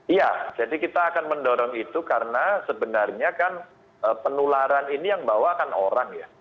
iya jadi kita akan mendorong itu karena sebenarnya kan penularan ini yang bawa akan orang ya